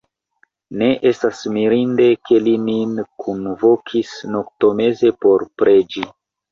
Ne estas mirinde, ke li nin kunvokis noktomeze por preĝi.